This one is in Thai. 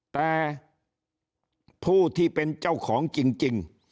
แต่ผู้ที่เป็นเจ้าของตู้เห่า